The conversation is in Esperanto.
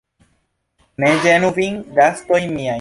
Ne ĝenu vin, gastoj miaj!